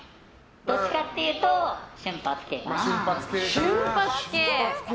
どっちかというと瞬発系かな。